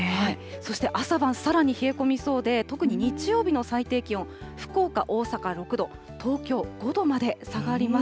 そして朝晩、さらに冷え込みそうで、特に日曜日の最低気温、福岡、大阪６度、東京５度まで下がります。